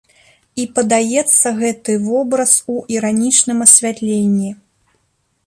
І падаецца гэты вобраз у іранічным асвятленні.